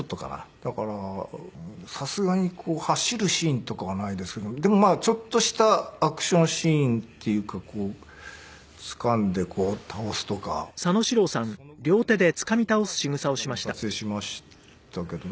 だからさすがに走るシーンとかはないですけどでもちょっとしたアクションシーンっていうか掴んでこう倒すとかそのぐらいのシーンはこの間も撮影しましたけどね。